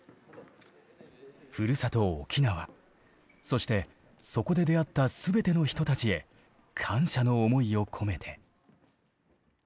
ふるさと沖縄そしてそこで出会った全ての人たちへ感謝の思いを込めて。